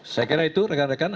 saya kira itu rekan rekan